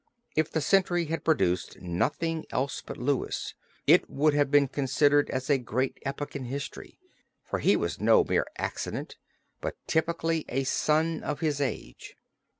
If the century had produced nothing else but Louis, it would have to be considered as a great epoch in history, for he was no mere accident but typically a son of his age.